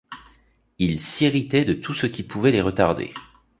Ils s’irritaient de tout ce qui pouvait les retarder.